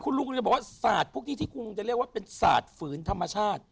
ลุงก็จะบอกว่าศาสตร์พวกนี้ที่คุณจะเรียกว่าเป็นศาสตร์ฝืนธรรมชาติ